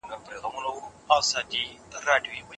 کمپيوټر وسلې کنټرولوي.